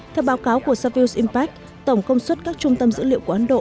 theo báo cáo của service impact tổng công suất các trung tâm dữ liệu của ấn độ